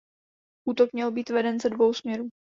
Útok měl být veden ze dvou směrů.